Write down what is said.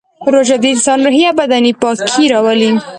روژه د انسان روحي او بدني پاکي راولي